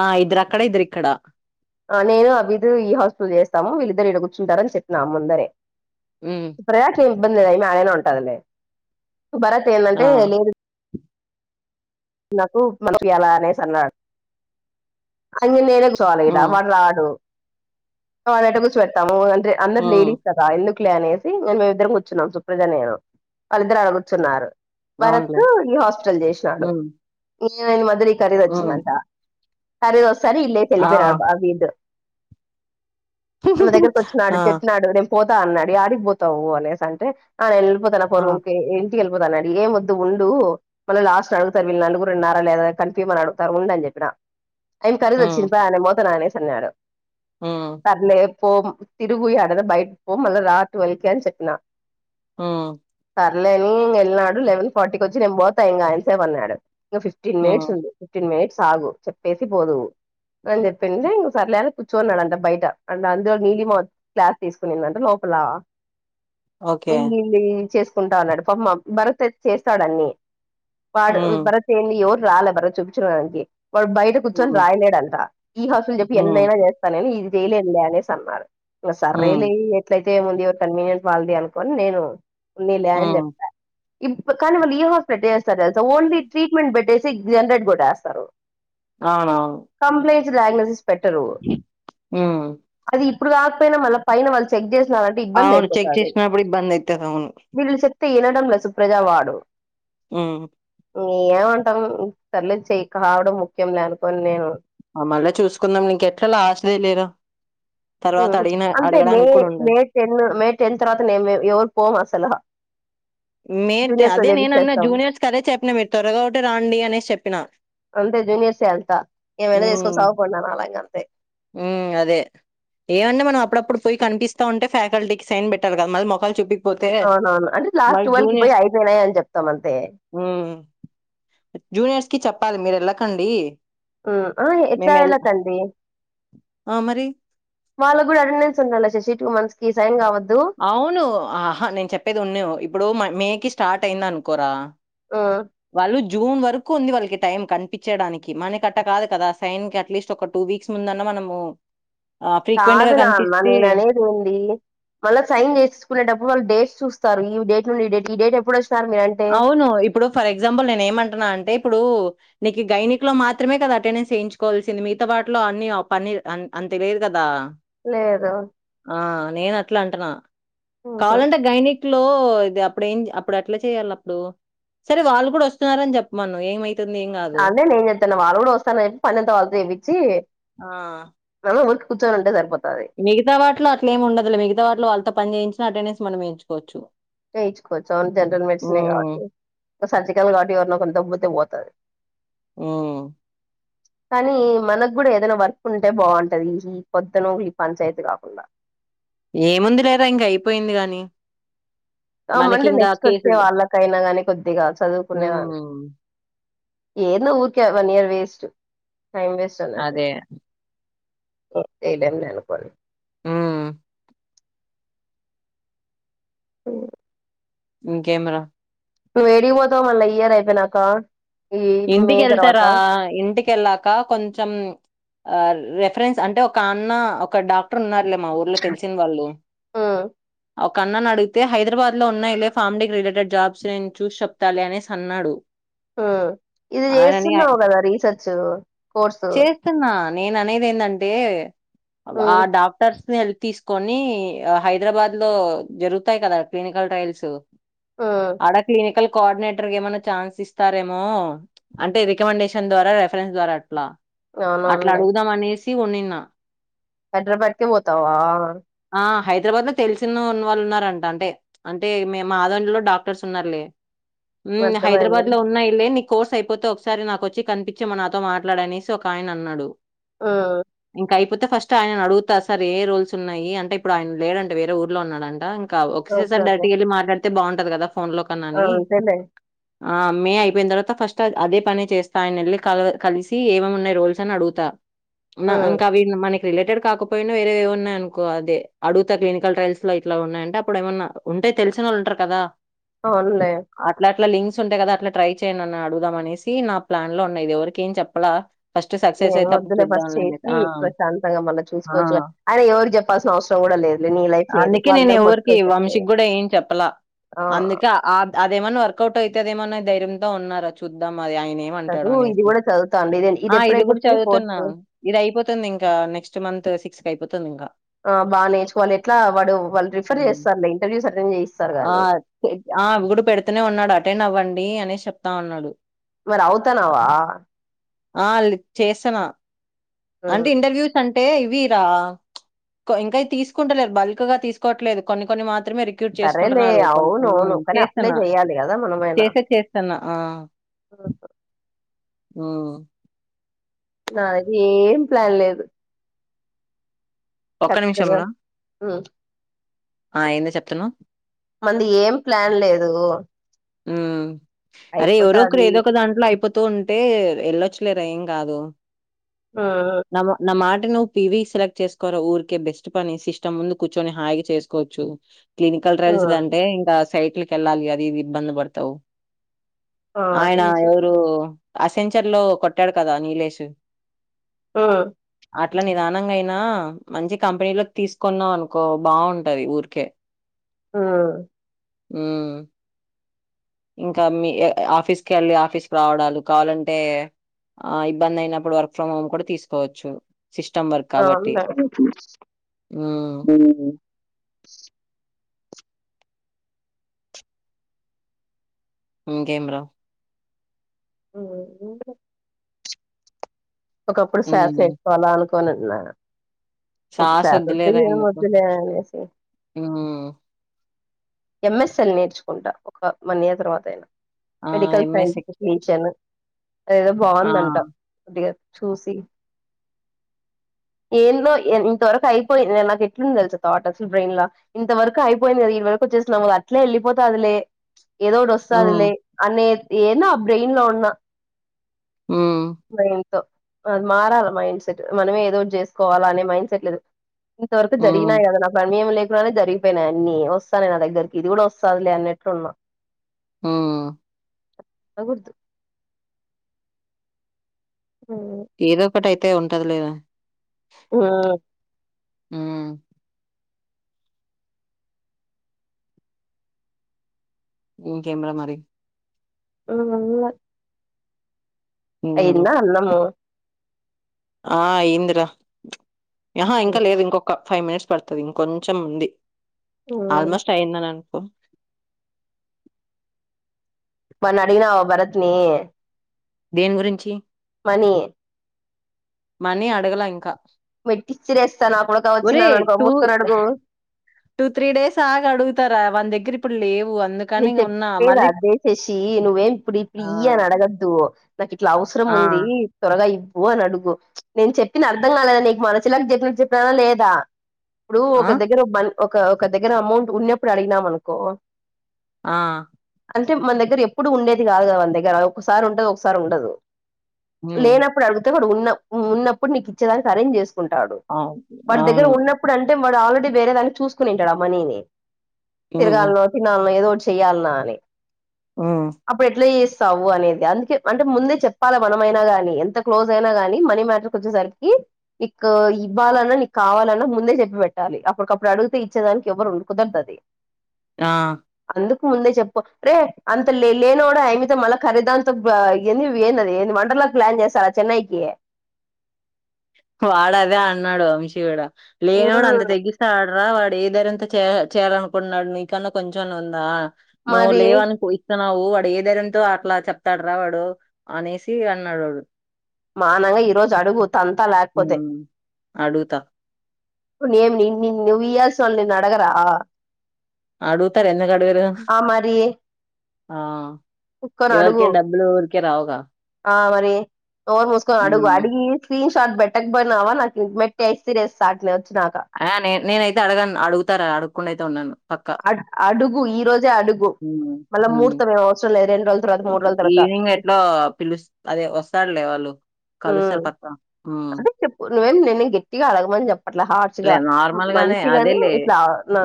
ఆ ఇద్దరు అక్కడ ఇద్దరు ఇక్కడ ఆ నేను అబిదు ఈ హాస్టల్ చేస్తాము వీళ్ళిద్దరు ఈడ కూర్చుంటారని చెప్పిన ముందరే ఉమ్ ప్రయాకేమి ఇబ్బంది అయినా యాడైన ఉంటాది లేే భరత్ ఏంటంటే ఆ లింక్ నాకు [unintelligible] పంపీయాల అనేసి అన్నాడు సో లేదా ఉమ్ వాడు రాడు అదెట్ట కూచ్చపెడతాము అ అన్నర్ ఉమ్ లేడీస్ కదా ఎందు లే అనేసి మేము ఇద్దరం కూర్చున్నాం సుప్రజ నేను వాళ్ళిద్దరు ఆడ కూర్చున్నారు భరత్ అవునులే ఈ హాస్టల్ చేసినాడు ఉమ్ నేను ఈ మదలి ఖరీదు ఉమ్ వచ్చిందంటా ఖరీదు వస్తానే వీడు లేసి ఆ ఎల్లిపోయినాడు నా దగ్గర కొచ్చనాడు ఆ చెప్పాడు నేను పో పోతా అన్నాడు యాడికి పోతావు అనేసి అంటే ఆ వెళ్ళిపోతాను ఆ రూమ్ కి ఎల్పోతా అన్నాడు ఏ వద్దు ఉండు మళ్ళ లాస్ట్ అడుగుతారు వీళ్ళు నలుగురు ఉన్నారా లేదా కన్ఫ్యూ అడుతారు ఉండు అని చెప్పి ఏం ఖరీదు ఉమ్ వచ్చింది ఆయన పోతననేసి అన్నాడు ఉమ్ సర్లే పో తిరుగు యాడన్న బయటికి పో మల్ల రా టువల్ కి అని చెప్పిన ఆ సర్లే ఎల్నాడు లెవెన్ ఫార్టీకి వచ్చి నేను పోతాయి ఇంగ ఎంసేపు అన్నాడు ఇంకా ఫిఫ్టీన్ మినిట్స్ ఉమ్ ఉంది ఫిఫ్టీన్ మినిట్స్ ఆగు చెప్పేసి పోదువు అని చెప్పింది ఇంక సర్లే అని కూర్చున్నాదండ బయట అంట అందులో నీలిమ వచ్చి క్లాస్ తీసుకునిందంట లోపల ఓకే [unintelligible] చేసుకుంటా ఉన్నాడు పాపం భరతయితే చేస్తాడు అన్ని వాడు ఉమ్ భరత్ ఏంది యోరు రాలే భారత్ చూపించుకోడానికి వాడు బయట కూర్చొని ఉమ్ రాయలేడంట ఈ హౌస్ల్ చెప్పి ఉమ్ ఎన్నైనా చేస్తానని ఇది చేయలేదులే అనేసి అన్నారు సర్రేలే ఉమ్ ఎట్లయితే ఏముంది ఎవరి కన్వీనియంట్ వాళ్ళది అనుకోని నేను ఉన్నిలే అని ఉమ్ చెప్పా ఇప్ కానీ వాళ్ళు ఏ హాస్పిటల్ వేస్తారు ఓన్లీ ట్రీట్మెంట్ బెడ్ సిక్స్ [unintelligible] వేస్తారు అవునా [unintelligible] పెట్టరు ఉమ్ అది ఇప్పుడు కాకపోయినా మళ్ళ పైన వాళ్ళు చెక్ చేసినారు అంటే ఇబ్బంది అవును చెక్ అయిపోతాది చేసినప్పుడు ఇబ్బంది అయితది అవును వీళ్ళు చెప్ ప్తే వినడంలే సుప్రజా వాడు ఉమ్ ఈ ఏమంటాం సర్లే చేయ్ కావడం ముఖ్యంలే అనుకోని నేను ఆ మళ్ళ చూసుకుందాం ఇంక ఎట్లా లాస్ట్ డే లేరా తర్వాత మ్మ్ అడిగిన అంటే మే అడగడానికి కూడా మే ఉండదు టెన్ మే టెన్ తర్వాత నేం మేము ఎవరు పోం అస్సలు మీ అదే నేను అన్నా జూనియర్స్ కదే చెప్పిన మీరు త్వరగా ఒకటి రండి అనేసి చెప్పినా అంతే జూనియర్స్ వెల్తా ఏమైన చేసుకొని సావుపోండీ అనాలా ఇగ ఉమ్ అదే ఏమంటే మనం అప్పుడప్పుడు పోయి కనిపిస్తా ఉంటే ఫ్యాకల్టీకి సైన్ పెట్టాలీ కదా మళ్ళీ మొకాలు చూ అవునవును అంటే లాస్ట్ ట్వెల్వ్ కి పోయి ఐదేనాయిని చెప్తాం అంతే హ్మ్ జూనియర్స్ కి చెప్పాలి మీరు వెళ్ళకండి ఊ ఆ ఎట్లా మేము వెళ్ ఎళ్లకండీ ఆ మరి వాళ్ళ కూడా అటెండెన్స్ ఉండాలా శశీ టూ మంత్స్ కి సైన్ కావద్దు అవును ఆహా నేను చెప్పేది ఉన్నీ ఇప్పుడు మే కి స్టార్ట్ అయింది అనుకోరా ఆ వాళ్ళు జూన్ వరకు ఉంది వాళ్ళకి టైం కనిపించడానికి మనకట్ట కాదు కదా సైన్కి అట్లీస్ట్ ఒక టూ వీక్స్ ముందన్న మన మనము ఆ ఫ్రీక్వెంట్ గా కాదు నా నాన్న కనిపిస్తే నేను అనేది ఏంది మళ్ళా సైన్ చేసుకునేటప్పుడు వాళ్ళు డేట్స్ చూస్త చూస్తారు ఈ డేట్ నుండి ఈ డేట్ ఎప్పుడు వచ్చినారు మీరంటే అవును ఇప్పుడు ఫర్ ఎగ్జాంపుల్ నేను ఏమంటున్నా అంటే ఇప్పుడు నీకు గైనిక్ లో మాత్రమే కదా అటెండెన్స్ వేయించుకోవాల్సింది మీగత వాటిలో అన్ని పని అంత లేదు కదా లేదు ఆ నేను అట్లా అంటున్నా ఉహు కావాలంటే గైనిక్ గైనిక్ లో ఇది అప్పుడ ఏం అప్పుడు అట్లా చేయాలి అప్పుడు సరే వాళ్ళు కూడా వస్తున్నారని చెప్పమను ఏమి అదే నేను చేప్తునా వాళ్ళు కూడా వస్తాన చెప్పి పనీ అంత వాళ్ళ చెపిచి ఆ ఊకె కూర్చొని ఉంటే సరిపోది మిగతా వాటిలో అట్లా ఏముండదు మిగత వాటిలో వాళ్ళతో పని చేయించినా అటెండెన్ మనం వేయించుకోవచ్చు చేయించుకోవచ్చు జనరల్ మెడిసన్ కాబట్టి ఒక సర్జికల్ కాబట్టి ఎవరిన్నా కొంత దబ్బ పోతు ఆ కానీ మనకు కూడా ఏదైనా వర్క్ ఉంటే బాగుంటది ఈ పొద్దు నూకులు ఈ పంచాయతీ కాకుండా ఏముంది లేరా ఇంక అయిపోయింది గాని అమ్ అండి మనకింకా నెక్స్ట్ వచ్చే కేసులు వాళ్ళకైనా గాని కొద్దిగా చదువుకునేదాన్ని హ్మ్. ఏంది ఊరికే one year waste time waste అన్నట్టు అదే. ఏదన్నా అనుకోను ఊమ్ అఓ ఇంకేం రా ను ఏడికి పోతావ్ మళ్ళీ ఇయర్ అయిపోయినాక ఈ మే ఇంటికి తర్వాత వెళ్తారా ఇంటికెళ్లాాక కొంచెం ఆ రెఫరెన్స్ అంటే ఒక అన్న ఒక డాక్టర్ ఉన్నారు లే మా ఊర్లో తెలిసిన వాళ్ళు ఉమ్ ఒక అన్నని అడిగితే హైదరాబాద్ లో ఉన్నాయిలే ఫార్మ్ డి రిలేటెడ్ జాబ్స్ నేను చూసి చెప్తాలే అనేసి అన్నాడు ఆ ఇది ఆయనని ఆ- చేస్తున్నావు కదా రీసెర్చ్ కోర్సు నేన అనేది ఏంటంటే ఆ హ్మ్ డాక్టర్స్ తీసుకొని హైదరాబాద్ లో జరుగుతాయి కదా క్లినికల్ ట్రయల్స్ హ్మ్ ఆడ క్లినికల్ కోఆర్డినేటర్ గా ఏమైన్నా ఛాన్స్ ఇస్తారేమో ఊ అంటే రికమెన్డేషన్ ద్వారా రిఫరెన్స్ ద్వారా అంటూనా అట్లా అవునవునులే అడుగుదాం అనేసి సి ఉన్నిన్న హైదరాబాద్ కే పోతావా ఆ హైదరాబాద్ లో తెలిసిన ఉన్న వాళ్ళు ఉన్నారంట అంటే అంటే మే మా దాంట్లో డాక్టర్స్ ఉన్నారులే హుమ్ అర్థమైంది హైదరాబాద్ లో ఉంటాయి నీ కోర్స్ అయిపోతే ఒకసారి నాకు వచ్చి కనిపించి మన నాతో మాట్లాడనేసి ఒక ఆయన అన్నాడు ఆ ఇంక అపోతే ఫస్ట్ ఆయన అడుగుతారు సార్ ఏ రోల్స్ ఉన్నాయి అంటే ఇప్పుడు ఆయన లేడంట వేరే ఊర్లో ఉన్నాడంట ఒకసారి ఓకే సారి ఓకే డక్ట్ వె మాట్లాడితే బాగుంటంది కదా ఫోన్ లో కన్నా ఆ, అని అంతేలే అయిపోయిన తర్వాత ఫస్ట్ అదే పని చేస్తా ఆయన నళ్ల్ కలిసి ఏమేమి ఉన్నాయి రోల్స్ అని అడుగుతా హ్మ్ ఇంకా వీ మనకి రిలేటెడ్ కాకపోయినా వేరే ఏమున్నాయ అకో అది అడుగుత క్నికల్ ట్రయల్స్ లో ఇట్లా ఉన్నాయంటే అప్పుడు ఏమన్నా ఉ అే తెలిసిన వాళ్ళుంటారు కదా అవునులే అట్లా అట్లా లింస్ ఉంటాయి కదా అట్లా ట్రై చేయడిని అడుదాం అనేసి నా ప్లాన్ లో ఉన్నయిది ఎవరిక ఏం చెప్పలా ఫస్ట్ మే సక్సెస్ అయితే అప్పుడు వద్దునే ఫస్ట్ చూద్దాంలే అనేసి. చేసి ఆ! ఎక్కువ శాంతంగా మళ్ళీ ఆ! చూసుకోవచ్చు ఆయన ఎవరికి చెప్పాల్సిన అవసరం కూడా లేదులే నీ లైఫ్ నీది అందుకే నేను వాళ్ళందరూ ఎవరికి బొచ్చుతో చెప్పేది వంశీకి కూడా ఏం చెప్పలా ఆ అందుకే అదేమన్నా వర్కౌట్ అయితే అదేమన్నా ధైర్యంతో ఉన్నారా చూద్దాం అది ఆయన ఏమంటాడు చదువు ఇది అనేసి కూడా చదువుతాండి ఇది ఆ ఇది కూడా ఎప్పుడైపోతుంది చదువుతున్నా ఫోర్త్ ఇది అయిపోతుంది ఇంకా నెక్స్ట్ మంత్ సిక్స్ కి అయిపోతుంది ఇంకా ఆ బాగా నేర్చుకోవాలి ఎట్లా వాడు వాళ్ళు రిఫర్ హ్మ్. చేస్తారు ఇంటర్వ్యూస్ అటెండ్ చేయిస్తారు కాగానీ ఆవి కూడా పెడుతనే ఉన్నాడు అటెండ్ అవ్వండి అనే చెప్తా ఉన్నాడు మరి అవుతానావా ఆ చేస్తనా హ్మ్ అంటే ఇంటర్వ్యూస్ అంటే అంటే ఇవి రా ఇంకా తీసుకుంటలేదు బల్క్ గా తీసుకోవట్లేదు కొన్ని కొన్ని మాత్రం మాత్రమే రిక్రూట్ సరేలే చేసుకుంటున్నారు కొ అవునవును కానీ అప్లై చేస్తున్నా చెయ్యాలి కదా మనమైనా చేస చేస్తాన్నా ఆ హ్మ్. ఆ నా ఏం ప్లాన్ లేదు ఒక్క నిమిషం చక్కగా రా ఆ ఏంద చెప్తున్నా మంది ఏం ప్లాన్ లేదు ఉ అరే ఎవరో ఒకరు అయిపోతాది ఏదో ఒక దాంట్లో అయిపోతూ ఉంటే వెళ్ళొచ్చు లే ఏం కా కాదు ఉమ్ న న ఆట అే నువ్ పివీ సెలెక్ట్ చేసుకోవ ఊరికే బెస్ట్ పని సిస్టమ్ ముందు కూర్చొని హాయిగా చేసుకోవచ్చు క్లినికల్ ఉమ్ ట్రయల్స్ంటే ఇంకా సైట్లకి వెళ్ళాలి అది ఇది ఇబ్బంది పడతావు ఆ ఆయనా ఉమ్ ఎవరు అసెంచర్ లో కొట్టాడు కదా నీలేష్ ఆ అట్లా నిదానంగా అయినా మంచి కంపెనీలో తీసుకున్నాం అనుకో బాగుంటది ఊరికే ఆ ఆ ఇంకా మీ ఆఫీస్ కి వెళ్ళి ఆఫీస్కి రావడాలు కావాలంటే ఆ ఇబ్బంది అయినప్పుడు వర్క్ ఫ్రమ్ హోమ్ కూడా తీసుకోవచ్చు సిస్టమ్ వర్క్ ఆ కాబట్టి. హ్మ్. [inaudible] ఇంకమే రా ఆ ఒకప్పుడు శస హ్మ్. చేసుకోవాల అనుకోనిన్నా ఇప్పు సాస్ సగ వద్దులేరా ఎందుకు. మొదులేసి హ్మ్. ఎంఎస్ఎల్ నేర్చుకుంటా ఒక మనీ తర్వాతయినా ఆ! Medical MS Excel. సైన్స్టెన్షన్ అదేదో ఆ! బాగుందంట కొద్గా చూసి ఏలో ఇంతవరకు అయింది నాకు ఎట్లుంది తెస థట్ అలు బ్రెయిన్ లో ఇంతరకు అయిందిదా వరకు వచ్చేన అట్లే వెళ్లిపోతా అలే హ్మ్. ఏదోటిస్తాదులే అనే ఏనా బ్రెయిన్ లో ఉన్న హ్మ్. మైన్తో అది మారాలి మైండ్ సెట్ మనమ ఏదోటి చేసుకోవాలని మైండ్ సెట్ లేదు ఇంతవరకు హ్మ్. జరిగినాయి కదా నాకు సన్మయం లే జరిగిపోయినాయి అన్ని వస్తా నయి నా దగ్గరకి ఇది కూడా వస్తుంది లే అన్నట్టు ఉన్నా ఆ అద్దు ఉమ్ ఏదో ఒకటి అయితే ఉంటది లేదా ఆ ఇ కేమరా మరి ఆ హ్మ్. అయినా అన్నము ఆ ఇందిరా ఆహా ఇంకా ఉమ్ లేదు ఇంకొక ఫైవ్ మినిట్స్ పడుతుంది ఇంకొంచెం ఉంది ఉమ్. ఆల్మోస్ట్ అయిందానను ఆ మన అడిగిన భరత్ని దేని గురించి మనీ మనీ అడగల ఇంకా మీ టిచ్చర వేస్తాను అప్పుడు కా వచ్చి నన్న ఒరేయ్! అనుకోసుకొని అడుగు టూ త్రీ డేస్ ఆగ అడుగుతారా వంద్ దగ్గర ఇ పళ్లి నేను చెప్పలేదా దసేసి నువ్వేం ఇప్పుడు ఇప్పుడు ఆ! ఇ అని అడగొద్దు నాకు ఇట్లా అవసరం ఆ! ఉంది త్వరగా ఇ ఓ అని అడుగు నేను చెప్పిన అర్థం కాలేదా నీకు మనషిలాకి చెప్పిన చెప్పినానా లేదా ఇప్పుడు ఆ! ఒక దగ్గర బ ఒక ఒక దగ్గర అమౌంట్ ఉన్నప్పుడు అడిగినాం అనుకో ఆ! అంటే మన దగ్గర ఎప్పు ఇప్పుడు ఉండేది కాదు కదా మన దగ్గర ఒకసారి ఉండదు ఒకసారి ఉండదు హ్మ్. లేనప్పుడు అడిగితే కూడా ఉ ఉన్నప్పుడు నీకు ఇచ్చేదానికి అరేంజ్ చేసుకుంటాడు అవును. వాటి దగ్గర అవును. ఉన్నప్పుడు అంటే వాడు ఆల్రెడీ వేరే దాన్ని చూసుకునింటాడు మనీని ఉమ్ తిరగాలో ఏదో చేయాలన్నా అని ఉమ్ అప్పుడు ఎట్లా సవ్వు అనేది అందుకే అంటే ముందే చెప్పాలా మనమైనా కానీ ఎంత క్లోజ్ అయినా కానీ మనీ మ్యాటర్కి వచ్చేసరికి నీకు ఇవ్వాలన్నా నీకు కావాలన్నా ముందే చెప్పి పెట్టాలి అప్పుటికప్పుడు అడిగితే ఇచ్చేదానికి ఎవ్వరు ఉండు నంటది ఆ ఎందుకు ముందే చెప్పు రే అంత లే లేన కూడా అమితే మళ్ళా ఖరీదాంత ఏ ఏందిది ఏ ప్లాన్ చేశారా చెన్నైకి వాడు అదే అన్నాడు వంశీయుడ లేనవాడు అంత తగ్గిస్తే ఆడరా వాడు ఏ ధరంత చే చేయాలనుకుంటన్నాడు నీకన్నా కొంచెం ఉందా నువ్వు మరి లేవని ఇస్తా న్నావు వాడు ఏ ధర్రంతో అట్లా చెప్తాడ రా వాడు అనేసి అన్నాడు వాడు మానగా ఈ రోజు అడుగుత అడుగుతా న ఏమిని నుయయస్ల్ నకురా అడుగుతారు ఎందు కడు వరు ఆ మరి ఆ కుక్కని ఎవరికే అడుగు డబ్బులు ఊరికే రావుగా ఆ మరి ఓరు మూసుకొని అడుగు ఉమ్ అడిగి ట్ పెట్టకపోయినావా నాకు ఇం మట్టి వేస్తరేస్తట్నే వచ్చ నాక ఆ నే నేనైతే అడగా అడుగుతారా అడుగకుండా అయితే ఉన్నాను అ అడుగు ఈ రోజే అడుగు మళ్ళా ఉమ్ ముహూర్తం ఏం అవసరం లేదండి ఈవినింగ్ ఎట్లా పిలుస్త అదే వస్తాడులే వాళ్ళు ఉ కలుస్తారు పక్క హ్మ్. అదే చెప్పు నువ్వేం నిన్న గట్టిగా అడగమని చెప్ప అట్లా హార్ట్ లే గా నార్మల్‌గానే మంచిగానే అదేలే. ఇట్లా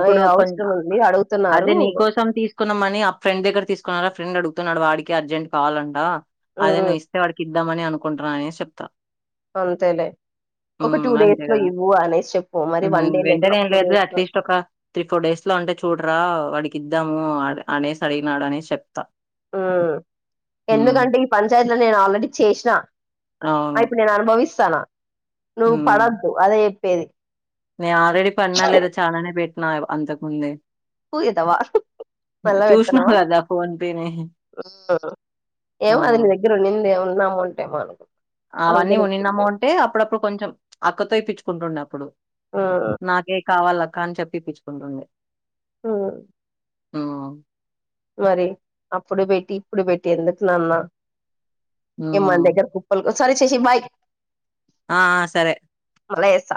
ఇప్పుడు అవసరం కొంచెం ఉంది అడుగుతున్నారు అదే నీకోసం తీసుకున్నామని ఆ ఫెండ్ దగ్గ తీకున్నారు ఆ ఫ్రెడ్ అడు చెప్తున్నాడు వాడికి అర్జెంట్ కావాలంటా అదే ఉమ్ నువ్ ఇస్తే వాడికి ఇద్దామని అనుకుంటున్నా అనే చెప్తా అంతేలే ఒక టూ డేస్ లో ఇవ్ వెంటనేం లేదు లో అట్లీస్ట్ ఒక త్రీ ఫోర్ డేస్ లో ఉంటే చూడరా అడి కిద్దాము అనేసి అడిగినాడు అనే చెప్తా ఉ హ్మ్. ఎందుకంటే ఈ పంచాయతీలో నేను ఆల్రెడీ చేసిన అవును. ఇప్పుడు నేను అనుభవిస్తా నా నువ్వు హ్మ్. పడద్దు అదే చెప్పేది నేను ఆల్రెడీ పడిన లేదా చాలానే పెట్టినా అంతకు ముందే తు ఎదవ చూసినా గదా ఫోన్ పేనే. [unintelligible] ఆ! ఏమో అదిని దగ్గర నింది ఉన్నాము అంటే మానకు అవన్నీ ఉంన్నాము అంటే అప్పుడప్పుడు కొంచెం అక్కతో ఇప్పచ్చుకుంటుండే అప్పుడు ఉమ్ నాకే కావాలక్క అని చెప్పి ఇప్పించుకుంటుండంది ఆ ఆ మరి అప్పుడు పెట్టి ఇప్పుడు పెట్టి ఎందుకు నాన్న ఏ మన హ్మ్. దగ్గర కుప్పలు సరే చేసి బాయ ఆ సరే మల్లా చేస్తా